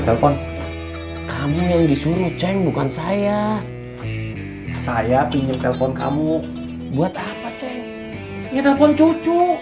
telepon kamu yang disuruh ceng bukan saya saya pinjam telepon kamu buat apa ceng ya telepon cucu